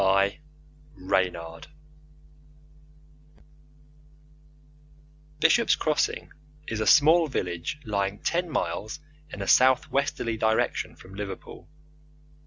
The Black Doctor Bishop's Crossing is a small village lying ten miles in a south westerly direction from Liverpool.